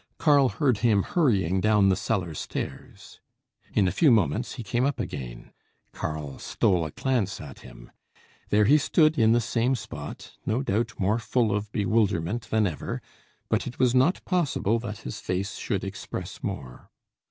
Karl heard him hurrying down the cellar stairs. In a few moments he came up again. Karl stole a glance at him. There he stood in the same spot, no doubt more full of bewilderment than ever, but it was not possible that his face should express more.